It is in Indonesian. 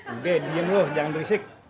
udeh diam loh jangan risik